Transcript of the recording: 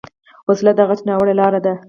وسله د غچ ناوړه لاره ده